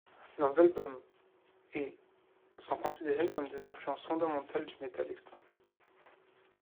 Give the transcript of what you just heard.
Leurs albums ' et ' sont considérés comme des influences fondamentales du metal extrême.